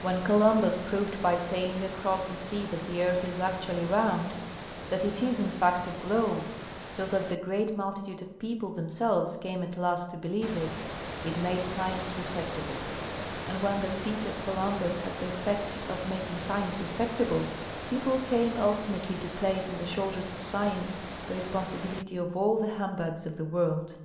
When Columbus proved by sailing across the sea that the earth is actually round, that it is in fact a globe, so that the great multitude of people themselves came at last to believe it, it made science respectable ; and when the feat of Columbus had the effect of making science respectable, people came ultimately to place on the shoulders of science the respon sibility for all the humbugs of the world.